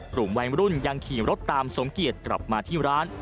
กลุ่มวัยรุ่นยังขี่รถตามสมเกียจกลับมาที่ร้าน